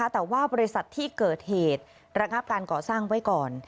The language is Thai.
แต่ว่าบริษัทที่เกิดเหตุระงับการก่อสร้างไว้ก่อน